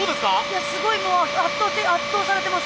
いやすごいもう圧倒圧倒されてます。